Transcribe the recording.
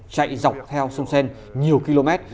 chạy dọc theo sông sen nhiều km